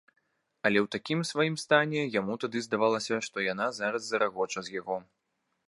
Але ў такім сваім стане яму тады здавалася, што яна зараз зарагоча з яго.